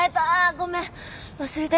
ごめん忘れて。